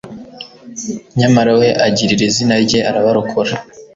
Nyamara we agirira izina rye arabarokora